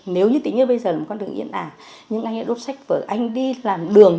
nếu như tỉ nhiên bây giờ là một con đường yên ả nhưng anh đã đốt sách vở anh đi làm đường